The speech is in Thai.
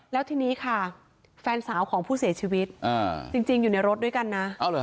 แล้วทีนี้ค่ะแฟนสาวของผู้เสียชีวิตจริงอยู่ในรถด้วยกันนะ